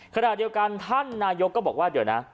ขณะเดียวกันท่านนายกก็บอกว่าเดี๋ยวนะ